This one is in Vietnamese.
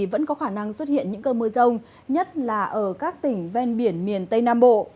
vẫn có khả năng xuất hiện những cơn mưa rông nhất là ở các tỉnh ven biển miền tây nam bộ